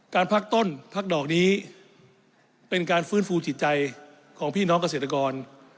พักต้นพักดอกนี้เป็นการฟื้นฟูจิตใจของพี่น้องเกษตรกร